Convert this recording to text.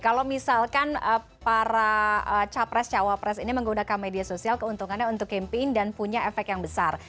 kalau misalkan para capres cawapres ini menggunakan media sosial keuntungannya untuk campaign dan punya efek yang besar